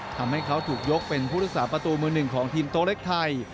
ทำให้เขาถูกยกเป็นผู้รักษาประตูมือหนึ่งของทีมโต๊ะเล็กไทย